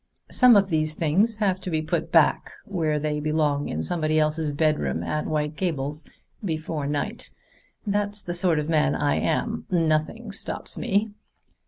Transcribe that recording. Some of these things have to be put back where they belong in somebody's bedroom at White Gables before night. That's the sort of man I am nothing stops me.